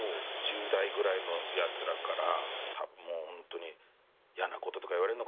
１０代ぐらいのやつらからホントに嫌なこととか言われんのかな？